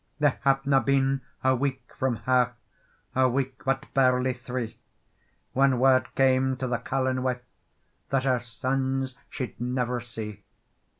They hadna been a week from her, A week but barely three, Whan word came to the carlin wife That her sons she'd never see.